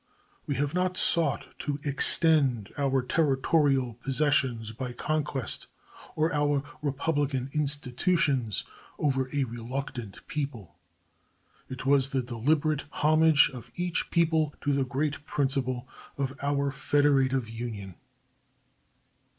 We have not sought to extend our territorial possessions by conquest, or our republican institutions over a reluctant people. It was the deliberate homage of each people to the great principle of our federative union.